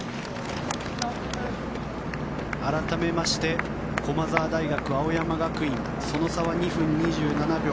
改めまして駒澤大学、青山学院その差は２分２７秒。